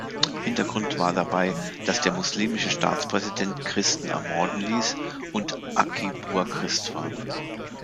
Hintergrund war dabei, dass der muslimische Staatspräsident Christen ermorden ließ und Akii-Bua Christ war.